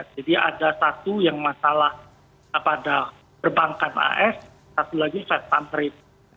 jadi ada satu yang masalah pada perbankan as satu lagi fed pantret